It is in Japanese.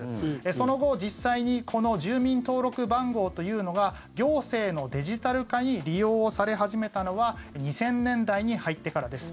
その後、実際にこの住民登録番号というのが行政のデジタル化に利用され始めたのは２０００年代に入ってからです。